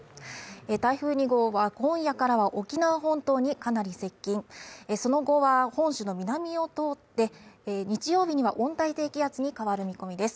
台風２号は今夜からは沖縄本島にかなり接近その後は本州の南を通って日曜日には温帯低気圧に変わる見込みです。